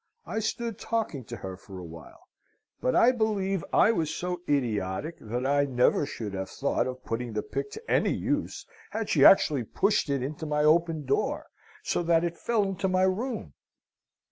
I stood talking to her for a while: but I believe I was so idiotic that I never should have thought of putting the pick to any use had she actually pushed it into my open door, so that it fell into my room.